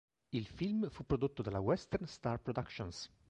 Il film fu prodotto dalla Western Star Productions.